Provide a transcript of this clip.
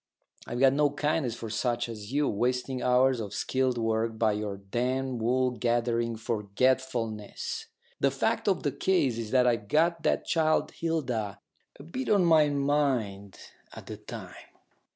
I've got no kindness for such as you wasting hours of skilled work by your damned wool gathering forgetfulness." "The fact of the case is that I'd got that child Hilda a bit on my mind at the time.